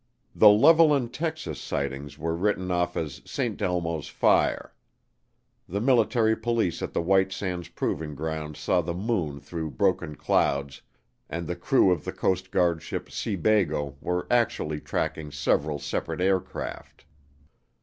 The Levelland, Texas, sightings were written off as "St. Elmo's Fire." The military police at the White Sands Proving Ground saw the moon through broken clouds and the crew of the Coast Guard ship Seabago were actually tracking several separate aircraft.